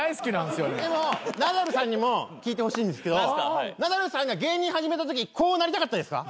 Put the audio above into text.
でもナダルさんにも聞いてほしいんですけどナダルさんが芸人始めたときこうなりたかったですか？